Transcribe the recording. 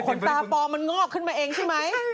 ตาปลอมมันงอกขึ้นมาเองใช่ไหม